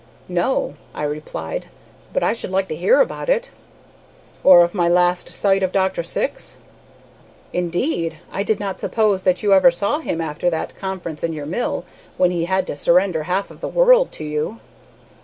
"No," I replied, "but I should like to hear about it." "Or of my last sight of Dr. Syx?" "Indeed! I did not suppose that you ever saw him after that conference in your mill, when he had to surrender half of the world to you."